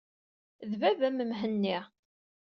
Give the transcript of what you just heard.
D baba-m Mhenni.